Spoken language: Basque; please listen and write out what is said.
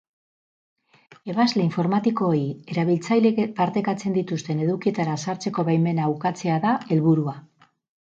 Ebasle informatikoei erabiltzaileek partekatzen dituzten edukietara sartzeko baimena ukatzea da helburua.